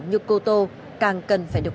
như cô tô càng cần phải được